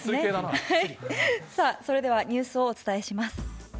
それではニュースをお伝えします。